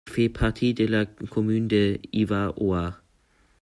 Elle fait partie de la commune de Hiva Oa.